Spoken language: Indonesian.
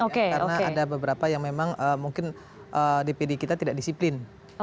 karena ada beberapa yang memang mungkin dpd kita tidak disiplin